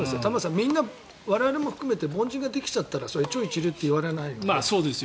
我々も含めて凡人ができちゃったらそれは一流と言われない。